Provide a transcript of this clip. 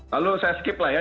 lalu saya skip lah ya